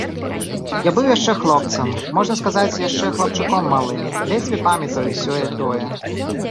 Я быў яшчэ хлопцам, можна сказаць, яшчэ хлапчуком малым, ледзьве памятаю сёе-тое.